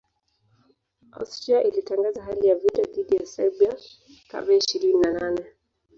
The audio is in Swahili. Austria ilitangaza hali ya vita dhidi ya Serbia tarehe ishirini na nane